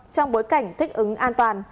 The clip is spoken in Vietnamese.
trong bối cảnh thích ứng an toàn